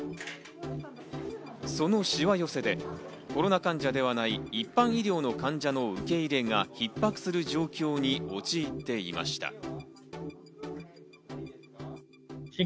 そのしわ寄せでコロナ患者ではない一般医療の患者の受け入れが逼迫する状況に陥っていました。